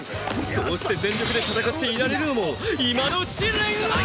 そうして全力で戦っていられるのも今のうちレンアイ！